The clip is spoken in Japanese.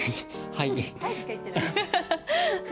「はい」しか言ってないよ。